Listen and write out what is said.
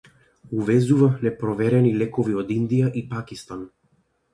Увезува непроверени лекови од Индија и Пакистан